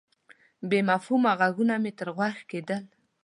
بې مفهومه ږغونه مې تر غوږ کېدل.